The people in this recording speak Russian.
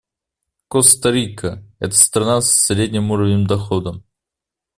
Коста-Рика — это страна со средним уровнем дохода.